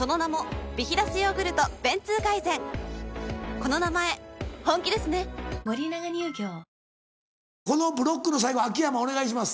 このブロックの最後秋山お願いします。